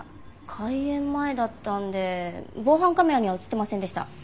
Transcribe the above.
開園前だったんで防犯カメラには映ってませんでした。